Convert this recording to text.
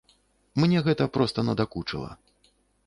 Мне гэта проста надакучыла.